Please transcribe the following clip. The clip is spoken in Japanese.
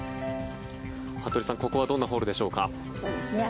服部さん、ここはどんなホールでしょうか。